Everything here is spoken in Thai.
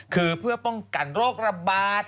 คือเพื่อป้องกันโรคระบาด